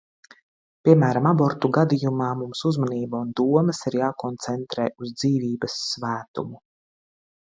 Piemēram, abortu gadījumā mums uzmanība un domas ir jākoncentrē uz dzīvības svētumu.